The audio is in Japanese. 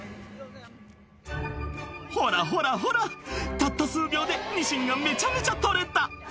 「ほらほらほらたった数秒でニシンがめちゃめちゃ取れた」